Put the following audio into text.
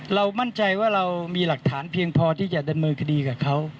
เรามั่นใจว่าเรามีหลักฐานเพียงพอที่จะดำเนินคดีกับเขา